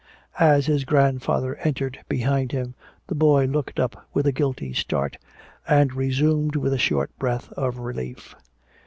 As his grandfather entered behind him, the boy looked up with a guilty start, and resumed with a short breath of relief.